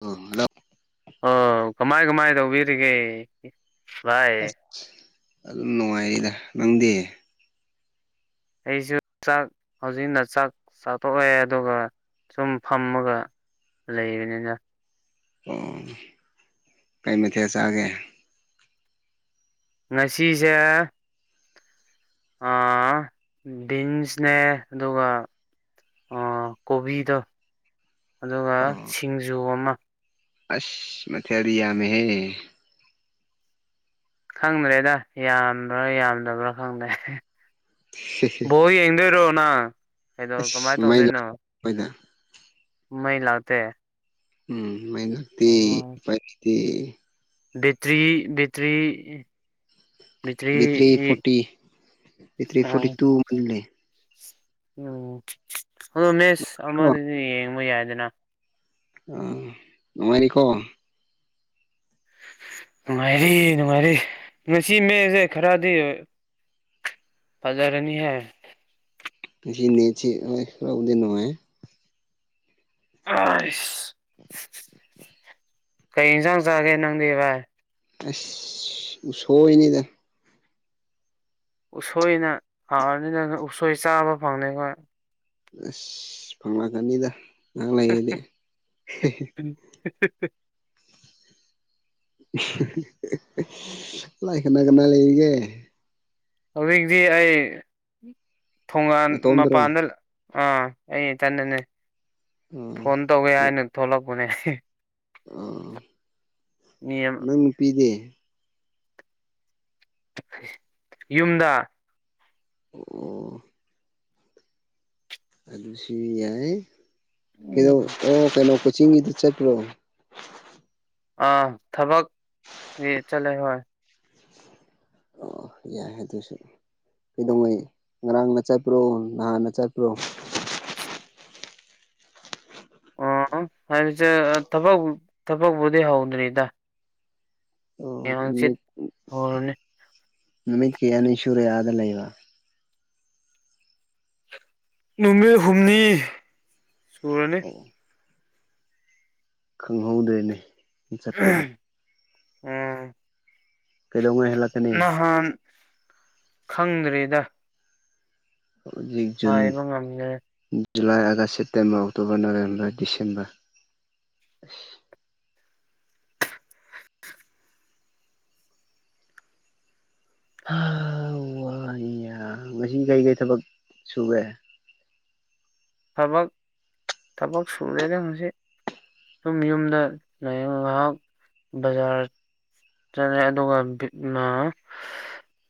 ꯑꯣ ꯂꯞ ꯑꯣ ꯀꯃꯥꯏ ꯀꯃꯥꯏ ꯇꯧꯕꯤꯔꯤꯒꯦ ꯚꯥꯏ ꯑꯁ ꯑꯗꯨꯝ ꯅꯨꯡꯉꯥꯏꯔꯤꯗ ꯅꯪꯗꯤ ꯑꯩꯖꯨ ꯆꯥꯛ ꯍꯧꯖꯤꯛꯅ ꯆꯥꯛ ꯆꯥꯊꯣꯛꯑꯦ ꯑꯗꯨꯒ ꯁꯨꯝ ꯐꯝꯃꯒ ꯂꯩꯕꯅꯤꯗ ꯀꯩ ꯃꯊꯦꯜ ꯆꯥꯒꯦ ꯉꯁꯤꯁꯦ ꯑ ꯕꯤꯟꯁꯅꯦ ꯑꯗꯨꯒ ꯑ ꯀꯣꯕꯤꯗꯣ ꯑꯗꯨꯒ ꯑꯣ ꯁꯤꯡꯖꯨ ꯑꯃ ꯑꯁ ꯃꯊꯦꯜꯗꯤ ꯌꯥꯝꯃꯦꯍꯦ ꯈꯪꯗ꯭ꯔꯦꯗ ꯌꯥꯝꯕ꯭ꯔꯥ ꯌꯥꯝꯗꯕ꯭ꯔꯥ ꯈꯪꯗ꯭ꯔꯦ ꯕꯣꯜ ꯌꯦꯡꯗꯣꯏꯔꯣ ꯅꯪ ꯀꯩꯗꯣ ꯀꯃꯥꯏ ꯑꯁ ꯃꯩ ꯇꯧꯗꯣꯏꯅꯣ ꯂꯥꯛꯄꯩꯗ ꯃꯩ ꯂꯥꯛꯇꯦ ꯎꯝ ꯃꯩ ꯂꯥꯛꯇꯦ ꯑꯣ ꯎꯄꯥꯢ ꯂꯩꯇꯦ battery battery battery battery forty two ꯎꯝ ꯑꯗꯣ ꯃꯦꯁ ꯑꯃꯗꯤ ꯌꯦꯡꯕ ꯌꯥꯏꯗꯅ ꯑ ꯅꯨꯡꯉꯥꯏꯅꯤꯀꯣ ꯅꯨꯡꯉꯥꯏꯔꯤ ꯅꯨꯡꯉꯥꯏꯔꯤ ꯉꯁꯤ ꯃꯦꯁꯁꯦ ꯈꯔꯗꯤ ꯐꯖꯥꯔꯅꯤ ꯍꯦ ꯉꯁꯤ ꯅꯦꯠꯁꯦ ꯍꯣꯢ ꯉꯔꯕꯨꯗꯤ ꯅꯨꯡꯉꯥꯏ ꯑ ꯏꯁ ꯀꯩ ꯏꯟꯁꯥꯡ ꯆꯥꯒꯦ ꯅꯪꯗꯤ ꯚꯥꯏ ꯑꯁ ꯎꯁꯣꯢꯅꯤꯗ ꯎꯁꯣꯏꯅ ꯍꯥꯎꯔꯅꯤꯅ ꯎꯁꯣꯏ ꯆꯥꯕ ꯐꯪꯗꯦ ꯑꯈꯣꯢ ꯑꯁ ꯐꯪꯂꯥꯀꯅꯤꯗ ꯍ ꯍ ꯍ ꯍ ꯍ ꯂꯥꯏ ꯀꯅꯥ ꯀꯅꯥ ꯂꯩꯔꯤꯒꯦ ꯍꯧꯖꯤꯛꯇꯤ ꯑꯩ ꯊꯣꯉꯥꯟ ꯅꯇꯣꯝꯗꯔꯣ ꯃꯄꯥꯟꯗ ꯑꯥ ꯑꯩ ꯏꯊꯟꯗꯅꯦ ꯐꯣꯟ ꯇꯧꯒꯦ ꯑꯥ ꯍꯥꯏꯅ ꯊꯣꯛꯂꯛꯄꯅꯦ ꯑꯥ ꯃꯤ ꯑꯃ ꯅꯪ ꯅꯨꯄꯤꯗꯤ ꯌꯨꯝꯗ ꯑꯣ ꯑꯁꯤ ꯌꯥꯢ ꯀꯩꯗꯧ ꯑꯣ ꯀꯩꯅꯣ ꯆꯤꯡꯒꯤꯗ ꯆꯠꯄ꯭ꯔꯣ ꯑꯥ ꯊꯕꯛꯀꯤ ꯆꯠꯂꯦ ꯍꯣꯏ ꯑꯣ ꯌꯥꯏ ꯑꯗꯨꯁꯨ ꯀꯩꯗꯧꯉꯩ ꯉꯔꯥꯡꯅ ꯆꯠꯄ꯭ꯔꯣ ꯅꯍꯥꯟꯅ ꯆꯠꯄ꯭ꯔꯣ ꯑꯥ ꯍꯥꯢꯁꯦ ꯊꯕꯛ ꯊꯕꯛꯕꯨꯗꯤ ꯍꯥꯎꯗ꯭ꯔꯤꯗ ꯑꯣ ꯃꯤ ꯍꯧꯔꯅꯤ ꯅꯨꯃꯤꯠ ꯀꯌꯥꯅꯤ ꯁꯨꯔꯦ ꯑꯗ ꯂꯩꯕ ꯅꯨꯃꯤꯠ ꯍꯨꯝꯅꯤ ꯁꯨꯔꯅꯤ ꯈꯪꯍꯧꯗꯦꯅꯦ ꯏ ꯆꯠꯄꯗ ꯎꯝ ꯀꯩꯗꯧꯉꯩ ꯍꯜꯂꯛꯀꯅꯤ ꯅꯍꯥꯟ ꯈꯪꯗ꯭ꯔꯤꯗ ꯍꯥꯏꯕ ꯉꯝꯗꯦ July August September October November December ꯑꯁ ꯍ ꯋꯥ ꯍꯩ ꯌꯥ ꯉꯁꯤ ꯀꯩ ꯀꯩ ꯊꯕꯛ ꯁꯨꯋꯦ ꯊꯕꯛ ꯊꯕꯛ ꯁꯨꯔꯦꯗ ꯉꯁꯤ ꯑꯗꯨꯝ ꯌꯨꯝꯗ ꯂꯥꯏꯌꯦꯡꯕ ꯉꯥꯏꯍꯥꯛ ꯕꯖꯥꯔ ꯆꯠꯂꯦ ꯑꯗꯨꯒ ꯕꯤꯠꯅ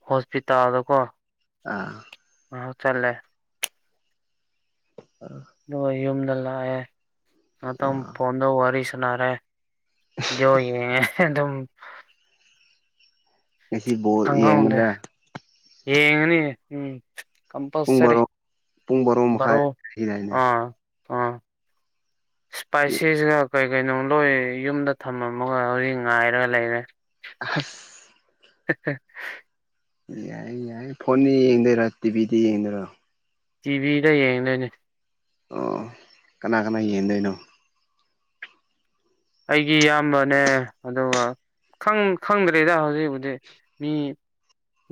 ꯍꯣꯁꯄꯤꯇꯥꯜꯗꯀꯣ ꯑꯥ ꯑ ꯆꯠꯂꯦ ꯅꯣꯢ ꯌꯨꯝꯗ ꯂꯥꯛꯑꯦ ꯉꯇꯪ ꯑꯥ ꯐꯣꯟꯗ ꯋꯥꯔꯤ ꯁꯥꯟꯅꯔꯦ ꯚꯤꯗꯤꯌꯣ ꯌꯦꯡꯉꯦ ꯑꯗꯨꯝ ꯉꯁꯤ ꯕꯣꯟ ꯌꯦꯡꯒꯗ꯭ꯔꯥ ꯌꯦꯡꯉꯅꯤꯅꯦ ꯎꯝ ꯄꯨꯡ ꯀꯝꯄꯜꯁꯔꯤ ꯕꯥꯔꯣ ꯄꯨꯡ ꯃꯈꯥꯏ ꯕꯥꯔꯣ ꯂꯩꯗꯥꯏꯅꯦ ꯑꯥ ꯑꯥ ꯏꯁꯄꯥꯏꯁꯤꯁꯔꯥ ꯀꯩ ꯀꯩꯅꯣ ꯂꯣꯏ ꯌꯨꯝꯗ ꯊꯝꯃꯝꯃꯒ ꯍꯧꯖꯤꯛ ꯉꯥꯏꯔꯒ ꯂꯩꯔꯦ ꯍꯁ ꯍꯦꯍꯦ ꯌꯥꯏ ꯌꯥꯏꯌꯦ ꯐꯣꯟꯗ ꯌꯦꯡꯗꯣꯏꯔꯣ ꯇꯤꯚꯤꯗ ꯌꯦꯡꯗꯣꯏꯔꯥ ꯇꯤꯚꯤꯗ ꯌꯦꯡꯗꯣꯏꯅꯦ ꯑꯣ ꯀꯅꯥ ꯀꯅꯥ ꯌꯦꯡꯗꯣꯏꯅꯣ ꯑꯩꯒꯤ ꯏꯌꯥꯝꯕꯅꯦ ꯑꯗꯨꯒ ꯈꯪ ꯈꯪꯗ꯭ꯔꯦꯤꯗ ꯍꯧꯖꯤꯛꯕꯨꯗꯤ ꯃꯤ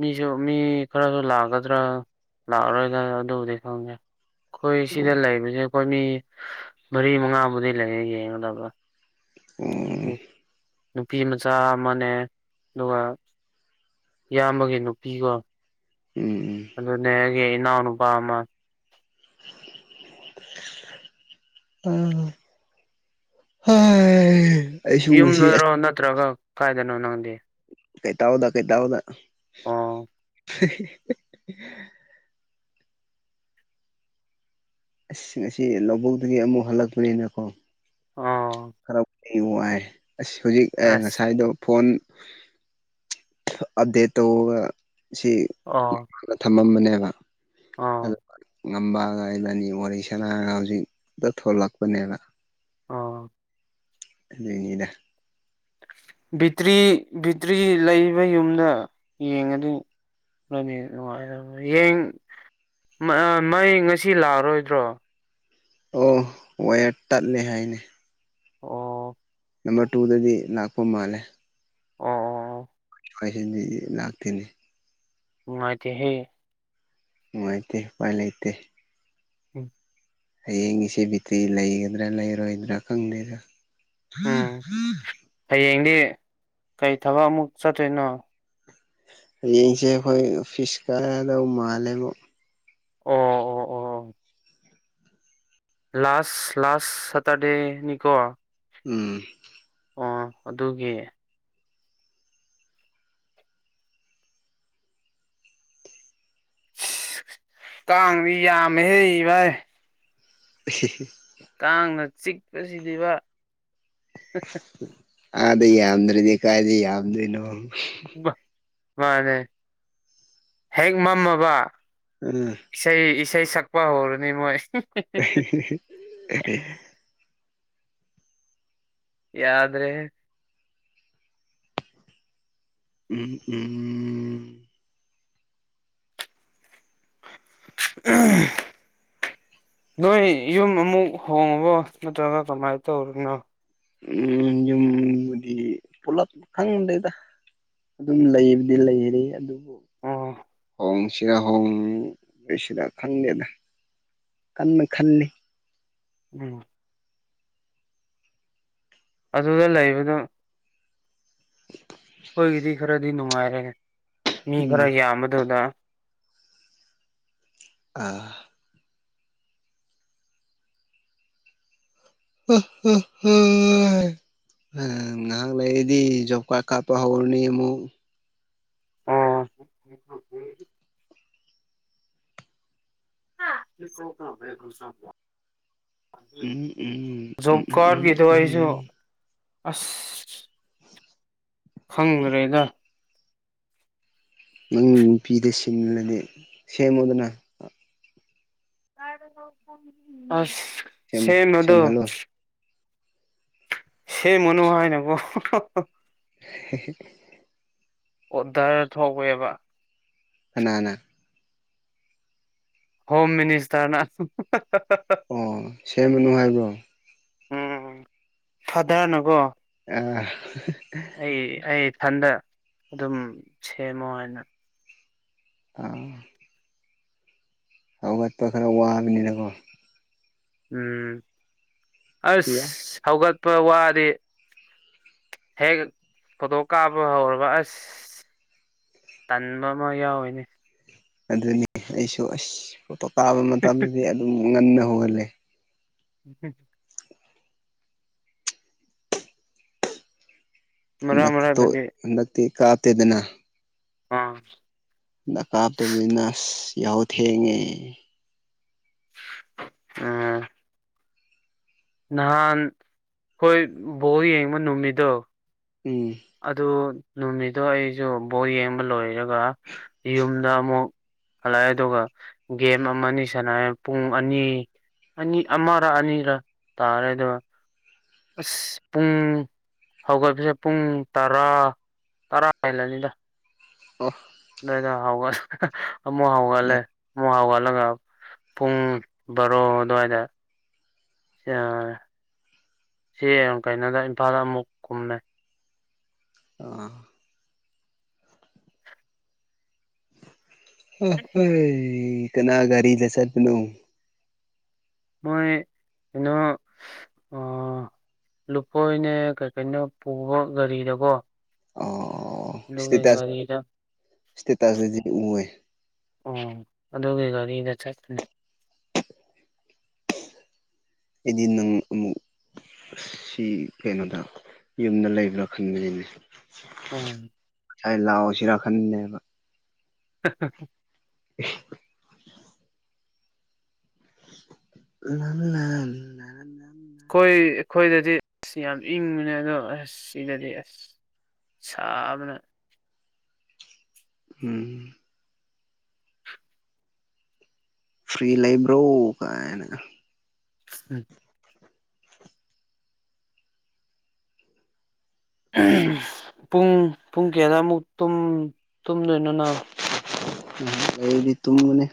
ꯃꯤꯁꯨ ꯃꯤ ꯈꯔꯁꯨ ꯂꯥꯛꯀꯗ꯭ꯔꯥ ꯂꯥꯛꯑꯔꯣꯏꯗꯔꯥ ꯑꯗꯨꯕꯨꯗꯤ ꯈꯪꯒꯦ ꯑꯩꯈꯣꯏ ꯁꯤꯗ ꯎꯝ ꯂꯩꯕꯁꯦ ꯑꯩꯈꯣꯏ ꯃꯤ ꯃꯔꯤ ꯃꯉꯥꯕꯨꯗꯤ ꯂꯩꯌꯦ ꯌꯦꯡꯒꯗꯕ ꯑꯣ ꯅꯨꯄꯤ ꯃꯆꯥ ꯑꯃꯅꯦ ꯑꯗꯨꯒ ꯏꯌꯥꯝꯕꯒꯤ ꯅꯨꯄꯤꯒ ꯎꯝ ꯑꯗꯨꯅꯦ ꯑꯩꯒꯤ ꯏꯅꯥꯎ ꯅꯨꯄꯥ ꯑꯃ ꯑꯥ ꯉꯁꯤ ꯌꯨꯝꯗꯔꯣ ꯑꯁ ꯅꯠꯇ꯭ꯔꯒ ꯀꯥꯏꯗꯅꯣ ꯅꯪꯗꯤ ꯀꯩ ꯇꯥꯎꯗ ꯀꯩ ꯇꯥꯎꯗ ꯑꯣ ꯑꯁ ꯉꯁꯤ ꯂꯧꯕꯨꯛꯒꯤ ꯑꯃꯨꯛ ꯍꯜꯂꯛꯄꯅꯤꯅꯀꯣ ꯑꯣ ꯑꯩ ꯋꯥꯥꯏ ꯑꯁ ꯍꯧꯖꯤꯛ ꯑꯁ ꯉꯁꯥꯏꯗꯣ ꯐꯣꯟ ꯑꯞꯗꯦꯠ ꯇꯧꯔꯒ ꯁꯤ ꯑꯥ ꯊꯝꯃꯝꯕꯅꯦ ꯀꯩꯪꯍꯥꯏꯕ ꯑꯥ ꯉꯝꯕꯒ ꯑꯩ ꯑꯅꯤ ꯋꯥꯔꯤ ꯁꯅꯥꯒ ꯍꯧꯖꯤꯛꯛꯇ ꯊꯣꯛꯂꯛꯄꯅꯦꯕ ꯑꯣ ꯑꯗꯨꯏꯅꯤꯗ ꯕꯤꯇ꯭ꯔꯤ ꯕꯤꯠꯇ꯭ꯔꯤ ꯂꯩꯕ ꯌꯨꯝꯗ ꯌꯦꯡꯉꯅꯤ [unintelligible] ꯃꯩ ꯉꯁꯤ ꯂꯥꯛꯑꯔꯣꯏꯗ꯭ꯔꯣ ꯑꯣ ꯋꯥꯏꯔ ꯇꯠꯂꯦ ꯍꯥꯏꯅꯦ ꯑꯣ ꯑꯣ ꯅꯝꯕꯔ ꯇꯨꯗꯗꯤ ꯂꯥꯛꯄ ꯃꯥꯂꯦ ꯑꯣ ꯑꯣ ꯑꯩꯈꯣꯏ ꯁꯤꯗꯤ ꯂꯥꯛꯇꯅꯦ ꯅꯨꯡꯉꯥꯏꯇꯦ ꯍꯦ ꯅꯨꯡꯉꯥꯏꯇꯦ ꯎꯄꯥꯏ ꯂꯩꯇꯦ ꯎꯝ ꯍꯌꯦꯡ ꯏꯆꯦ ꯕꯤꯇ꯭ꯔꯤ ꯂꯩꯒꯗ꯭ꯔꯥ ꯂꯩꯔꯣꯏꯗ꯭ꯔꯥ ꯈꯪꯗꯦꯗꯥ ꯎꯝ ꯍꯌꯦꯡꯗꯤ ꯀꯩ ꯊꯕꯛ ꯑꯃꯨꯛ ꯆꯠꯇꯣꯏꯅꯣ ꯍꯌꯦꯡꯁꯦ ꯑꯩꯈꯣꯏ ꯑꯣꯐꯤꯁ ꯀꯥꯗꯧ ꯃꯥꯂꯦꯕꯣ ꯑꯣ ꯑꯣ ꯑꯣ ꯑꯣ ꯂꯥꯁ ꯂꯥꯁ ꯁꯇꯥꯔꯗꯦꯅꯤꯀꯣ ꯎꯝ ꯑꯣ ꯑꯗꯨꯒꯤ ꯀꯥꯡꯗꯤ ꯌꯥꯝꯃꯦ ꯍꯦ ꯏꯚꯥꯏ [unintelligible] ꯀꯥꯡꯅ ꯆꯤꯛꯄꯁꯤꯗꯤꯕ ꯑꯥꯗ ꯌꯥꯝꯗꯗꯤ ꯀꯥꯏꯗꯤ ꯌꯥꯝꯗꯣꯏꯅꯣ ꯃꯥꯅꯦ ꯍꯦꯛ ꯃꯝꯃꯕ ꯎꯝ ꯏꯁꯩ ꯏꯁꯩꯩ ꯁꯛꯄ ꯍꯧꯔꯅꯤ ꯃꯣꯏ [unintelligible] ꯌꯥꯗ꯭ꯔꯦ ꯎꯝ ꯎꯝ ꯑꯥ ꯅꯣꯏ ꯌꯨꯝ ꯑꯃꯨꯛ ꯍꯣꯡꯉꯕꯣ ꯅꯠꯇ꯭ꯔꯒ ꯀꯃꯥꯏꯅ ꯇꯧꯔꯤꯅꯣ ꯎꯝ ꯌꯨꯝꯕꯨꯗꯤ ꯄꯂꯞ ꯈꯪꯗꯦꯗ ꯑꯗꯨꯝ ꯂꯩꯕꯗꯤ ꯂꯩꯔꯤ ꯑꯗꯨꯕꯨ ꯑꯣ ꯍꯣꯡ ꯁꯤꯔ ꯍꯣꯡ ꯁꯤꯗ ꯈꯪꯗꯦꯗ ꯀꯟꯕ ꯈꯜꯂꯤ ꯎꯝ ꯑꯗꯨꯗ ꯂꯩꯕꯗꯨ ꯑꯩꯈꯣꯏꯒꯤꯗꯤ ꯈꯔꯗꯤ ꯅꯨꯡꯉꯥꯏꯔꯦ ꯃꯤ ꯈꯔ ꯎꯝ ꯌꯥꯝꯕꯗꯨꯗ ꯑꯥ ꯑꯣꯑꯣ ꯑꯣ ꯑꯣ ꯎ ꯉꯥꯏꯍꯥꯛ ꯂꯩꯗꯤ ꯖꯣꯕ ꯀꯥꯔꯗ ꯀꯥꯞꯄ ꯍꯧꯔꯅꯤ ꯑꯃꯨꯛ ꯑꯣ [unintelligible] ꯎꯝ ꯎꯝ ꯎꯝ ꯖꯣꯕ ꯎꯝ ꯎꯝ ꯀꯥꯔꯗꯀꯤꯗꯣ ꯎꯝ ꯑꯩꯁꯨ ꯎꯝ ꯑꯁ ꯈꯪꯗ꯭ꯔꯦꯗ ꯅꯪ ꯅꯨꯄꯤꯗ ꯁꯤꯗꯤ ꯁꯦꯝꯃꯨꯗꯅ ꯑꯁ ꯁꯦꯝ ꯁꯦꯝꯕꯗꯣ ꯁꯦꯝꯍꯜꯂꯣ ꯁꯦꯝꯒꯅꯨ ꯍꯥꯏꯅꯀꯣ ꯍꯦꯍꯦ ꯑꯣꯗ꯭ꯔ ꯊꯣꯛꯋꯦꯕ ꯀꯥꯅꯅ ꯍꯣꯝ ꯃꯤꯅꯤꯁꯇ꯭ꯔꯅ ꯑꯣ ꯁꯦꯝꯃꯅꯨ ꯍꯥꯏꯕ꯭ꯔꯣ ꯎꯝ ꯐꯗ꯭ꯔꯅꯀꯣ ꯑꯥ ꯑꯩ ꯏꯊꯟꯗ ꯑꯗꯨꯝ ꯁꯦꯝꯃꯣ ꯍꯥꯏꯅ ꯎꯝ ꯍꯧꯒꯠꯄ ꯈꯔ ꯋꯥꯕꯅꯤꯔꯀꯣ ꯎꯝ ꯑꯁ ꯌꯥꯏ ꯁꯧꯒꯠꯄ ꯋꯥꯗꯤ ꯍꯦꯛ ꯐꯣꯇꯣ ꯀꯥꯞꯄ ꯍꯧꯔꯕ ꯑꯁ ꯇꯟꯕ ꯑꯃ ꯌꯥꯎꯋꯤꯅꯦ ꯑꯗꯨꯅꯤ ꯑꯩꯁꯨ ꯑꯁ ꯐꯣꯇꯣ ꯇꯥꯕ ꯃꯇꯝꯗꯗꯤ ꯑꯗꯨꯝ ꯉꯟꯅ ꯍꯧꯒꯜꯂꯦ [inaudible] ꯃꯔꯛ ꯍꯟꯗꯛꯇꯣ ꯃꯔꯛꯇꯗꯤ ꯍꯟꯗꯛꯇꯤ ꯀꯥꯞꯇꯦꯗꯅ ꯑꯥ ꯅꯀꯥꯞꯇꯕꯤꯖꯤꯅꯁ ꯌꯥꯍꯧ ꯊꯦꯡꯉꯦ ꯑꯝ ꯅꯍꯥꯟ ꯑꯈꯣꯏ ꯕꯣꯜ ꯌꯦꯡꯕ ꯅꯨꯃꯤꯠꯇꯣ ꯎꯝ ꯑꯗꯨ ꯅꯨꯃꯤꯠꯇꯣ ꯑꯩꯁꯨ ꯕꯣꯜ ꯌꯦꯡꯕ ꯂꯣꯏꯔꯒ ꯌꯨꯝꯗ ꯑꯃꯨꯛ ꯍꯜꯂꯛꯑꯦ ꯑꯗꯨꯒ ꯒꯦꯝ ꯑꯃꯅꯤ ꯑꯅꯤ ꯁꯥꯟꯅꯔꯦ ꯄꯨꯡ ꯑꯅꯤ ꯑꯅꯤ ꯑꯃꯔ ꯑꯅꯤꯔ ꯇꯥꯔꯦ ꯑꯗꯨꯒ ꯑꯁ ꯄꯨꯡ ꯍꯧꯒꯠꯄꯁꯦ ꯄꯨꯡ ꯇꯔꯥ ꯇꯔꯥ ꯍꯦꯜꯂꯅꯤꯗ ꯑꯣ ꯍꯒ ꯍꯥꯎꯒꯂꯦ ꯑꯃ ꯍꯥꯎꯒ ꯆꯠꯂꯒ ꯄꯨꯡ ꯕꯥꯔꯣ ꯑꯗꯨꯋꯥꯏꯗ ꯁꯤꯡ ꯀꯩꯅꯣꯗ ꯏꯝꯐꯥꯜꯗ ꯑꯃꯨꯛ ꯀꯨꯝꯃꯦ ꯑꯥ ꯑꯥ ꯍꯣꯏ ꯀꯅꯥ ꯒꯥꯔꯤꯗ ꯆꯠꯄꯅꯣ ꯃꯣꯏ ꯀꯩꯅꯣꯑꯥ ꯑꯥ ꯂꯨꯈꯣꯏꯅꯦ ꯀꯩ ꯀꯩꯅꯣ ꯄꯨꯕ ꯒꯥꯔꯤꯗꯀꯣ ꯑꯣ ꯑꯗꯨꯒꯤ ꯁ꯭ꯇꯦꯇꯁ ꯒꯥꯔꯤꯗ ꯁ꯭ꯇꯦꯇꯥꯁꯇꯗꯤ ꯎꯋꯦ ꯑꯣ ꯑꯗꯨꯒꯤ ꯒꯥꯔꯤꯗ ꯆꯠꯄꯅꯤ ꯑꯩꯗꯤ ꯅꯨꯡ ꯅꯨꯡ ꯑ ꯁꯤ ꯀꯩꯅꯣꯗ ꯌꯨꯝꯗ ꯂꯩꯕ꯭ꯔꯥ ꯈꯟꯕꯅꯤꯅꯦ ꯎꯝ ꯑꯩ ꯂꯥꯎꯁꯤꯔ ꯈꯟꯕꯅꯦꯕ ꯍꯍ [unintelligible] ꯅꯪꯅ ꯑꯈꯣꯏꯗꯗꯤ ꯑꯁ ꯌꯥꯝ ꯏꯪꯕꯅꯦ ꯑꯗꯣ ꯑꯁ ꯁꯤꯗꯗꯤ ꯑꯁ ꯁꯥꯥꯕꯅ ꯎꯝ ꯐ꯭ꯔꯤ ꯂꯩꯕ꯭ꯔꯣ ꯀꯥꯏꯅ ꯍꯨꯝ ꯎꯝ ꯄꯨꯡ ꯄꯨꯡ ꯀꯌꯥꯗꯃꯨꯛ ꯇꯨꯝ ꯇꯨꯝꯗꯣꯏꯅꯣ ꯅꯪ ꯑꯩꯗꯤ ꯇꯨꯝꯒꯅꯤ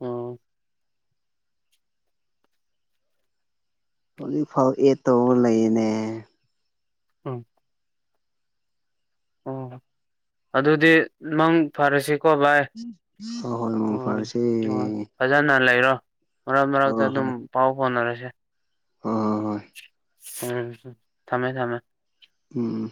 ꯎꯝ ꯍꯧꯖꯤꯛ ꯐꯥꯎ ꯑꯦꯠ ꯇꯧꯔ ꯂꯩꯌꯦꯅꯦ ꯑꯥ ꯑꯣ ꯑꯗꯨꯗꯤ ꯅꯪ ꯐꯔꯁꯤ ꯀꯣ ꯚꯥꯏ ꯍꯣꯏ ꯍꯣꯏ ꯃꯪ ꯎꯝ ꯐꯔꯁꯦ ꯑꯣ ꯐꯖꯅ ꯂꯩꯔꯣ ꯃꯔꯛ ꯃꯔꯛꯇ ꯑꯗꯨꯝ ꯄꯥꯎ ꯐꯥꯎꯅꯔꯁꯦ ꯑꯥ ꯍꯣꯏ ꯎꯝ ꯊꯝꯃꯦ ꯊꯝꯃꯦ ꯎꯝ